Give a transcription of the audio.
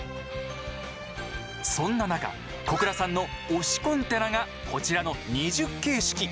そんな中小倉さんの推しコンテナがこちらの２０形式！